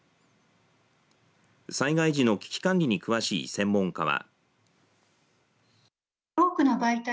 災害時の危機管理に詳しい専門家は。